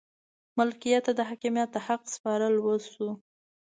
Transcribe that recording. ملت ته د حاکمیت د حق سپارل وشو.